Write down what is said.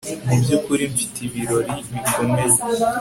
Mubyukuri mfite ibirori bikomeye